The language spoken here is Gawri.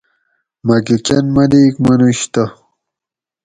مکہ کۤن ملیک منوش تہ